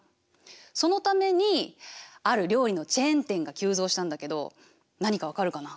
そのためにある料理のチェーン店が急増したんだけど何か分かるかな？